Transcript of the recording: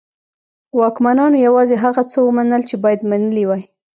واکمنانو یوازې هغه څه ومنل چې باید منلي وای.